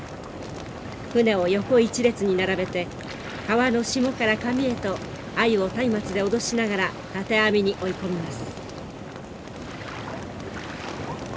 舟を横一列に並べて川の下から上へとアユをたいまつで脅しながら建て網に追い込みます。